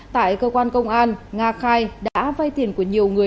tại cơ quan công an nga khai đã vay tiền của nhiều người